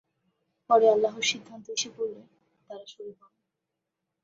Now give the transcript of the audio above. পরে আল্লাহর সিদ্ধান্ত এসে পড়লে তারা সরে পড়েন।